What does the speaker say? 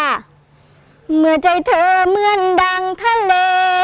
เมื่อใจเธอเหมือนดังทะเล